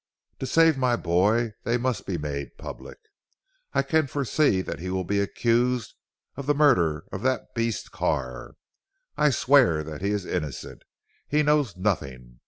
To save my boy they must be made public. I can foresee that he 'will be accused of the murder of that beast Carr. I swear that he is innocent. He knows nothing.